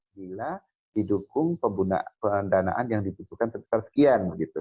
bila didukung pembunuhan danaan yang ditutupkan terbesar sekian